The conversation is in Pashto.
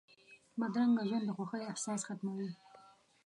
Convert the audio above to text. بدرنګه ژوند د خوښۍ احساس ختموي